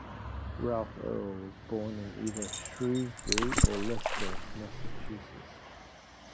Ralph Earl was born in either Shrewsbury or Leicester, Massachusetts.